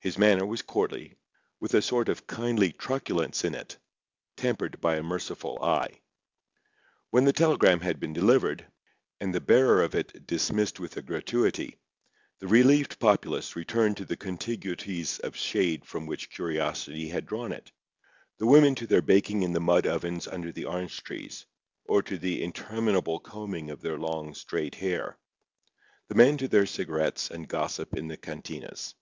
His manner was courtly, with a sort of kindly truculence in it, tempered by a merciful eye. When the telegram had been delivered, and the bearer of it dismissed with a gratuity, the relieved populace returned to the contiguities of shade from which curiosity had drawn it—the women to their baking in the mud ovens under the orange trees, or to the interminable combing of their long, straight hair; the men to their cigarettes and gossip in the cantinas.